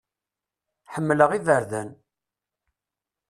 Ḥemmleɣ iberdan.